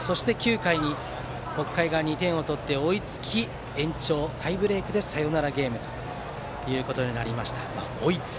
そして９回、北海が２点を取って追いつき延長タイブレークでサヨナラゲームとなりました。